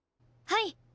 はい。